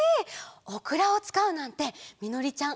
オクラをつかうなんてみのりちゃん